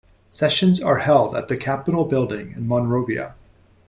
Sessions are held at the Capitol Building in Monrovia.